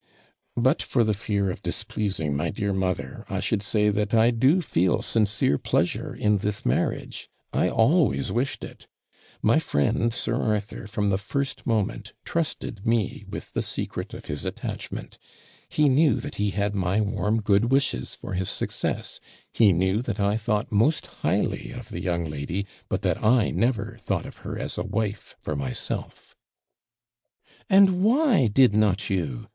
'But for the fear of displeasing my dear mother, I should say, that I do feel sincere pleasure in this marriage I always wished it: my friend, Sir Arthur, from the first moment, trusted me with the secret of his attachment; he knew that he had my warm good wishes for his success; he knew that I thought most highly of the young lady; but that I never thought of her as a wife for myself.' 'And why did not you?